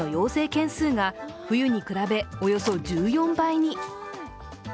件数が冬に比べおよそ１４倍に。